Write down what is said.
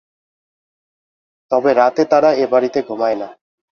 তবে রাতে তারা এ বাড়িতে ঘুমায় না।